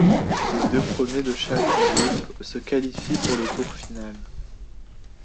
Les deux premiers de chaque groupe se qualifient pour le tour final.